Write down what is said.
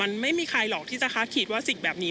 มันไม่มีใครหรอกที่จะคาดคิดว่าสิ่งแบบนี้